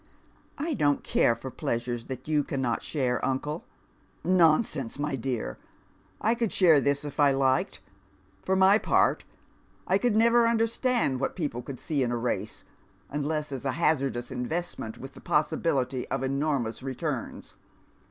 " I don't care for pleasures that you cannot share, uncle." *' Nonsense, my dear I I could share this if I liked. For my part, I could never understand what people could see in a race, unless as a liazardous investment with the possibilitj' of enormous returns.